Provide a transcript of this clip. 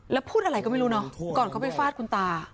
แล้วพูดอะไรก็ไม่รู้เนอะก่อนเขาไปฟาดคุณตา